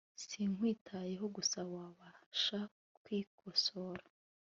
Sinkwitayeho gusa Wabasha kwikosora